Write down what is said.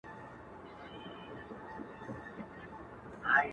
په ځنگله كي سو دا يو سل سرى پاته-